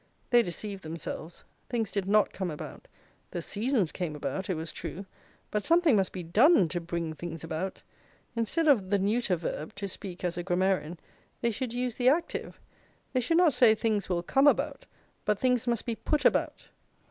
They deceived themselves, things did not come about; the seasons came about, it was true; but something must be done to bring things about. Instead of the neuter verb (to speak as a grammarian) they should use the active; they should not say things will come about, but things must be put about.